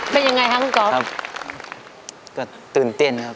เป็นยังไงครับคุณก๊อฟ